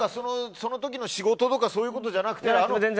その時の仕事とかそういうことじゃなくて。